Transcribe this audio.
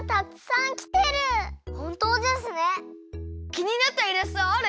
きになったイラストある？